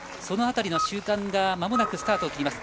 その辺りがまもなくスタート。